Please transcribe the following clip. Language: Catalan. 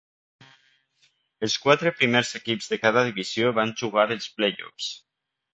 Els quatre primers equips de cada divisió van jugar els playoffs.